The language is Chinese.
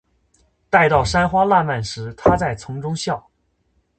待到山花烂漫时，她在丛中笑。